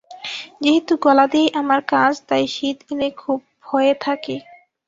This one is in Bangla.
যেহেতু গলা দিয়েই আমার কাজ, তাই শীত এলে খুব ভয়ে থাকি।